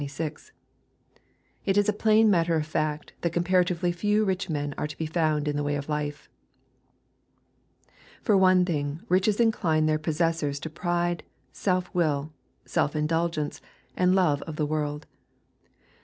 It is plain matter of fact, that comparatively few rich men are to be found in the way of life. For one thing, riches incline their possessors to pride, self will, self indulgence, and love of the world.